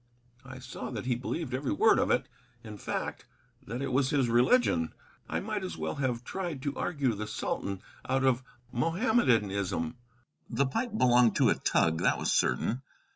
I saw that he believed every word of it; in fact, that it was his religion. I might as well have tried to argue the Sultan out of Mohammedanism. The pipe belonged to a tug, that was certain.